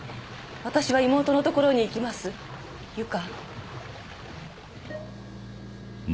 「私は妹の所に行きます由香」